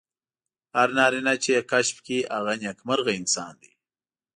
هر نارینه چې یې کشف کړي هغه نېکمرغه انسان دی.